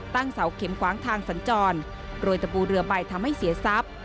เสาเข็มขวางทางสัญจรโรยตะปูเรือไปทำให้เสียทรัพย์